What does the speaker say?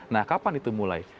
nah kapan itu mulai